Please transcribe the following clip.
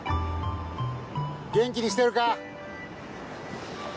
元気にしてるか？